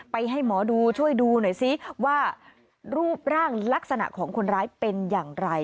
ให้หมอดูช่วยดูหน่อยซิว่ารูปร่างลักษณะของคนร้ายเป็นอย่างไร